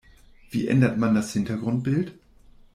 Wie ändert man das Hintergrundbild?